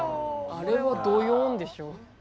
あれはどよんでしょ。